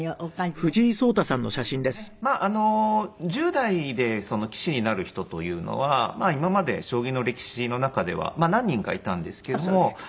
１０代で棋士になる人というのは今まで将棋の歴史の中では何人かいたんですけども。